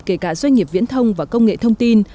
kể cả doanh nghiệp viễn thông và công nghệ thông tin